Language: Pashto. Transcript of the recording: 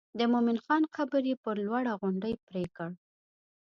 د مومن خان قبر یې پر لوړه غونډۍ پرېکړ.